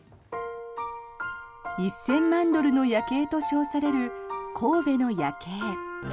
１０００万ドルの夜景と称される神戸の夜景。